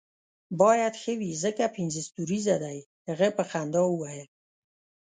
باید ښه وي ځکه پنځه ستوریزه دی، هغه په خندا وویل.